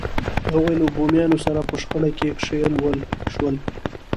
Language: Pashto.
هغوی له بومیانو سره په شخړه کې ښکېل شول.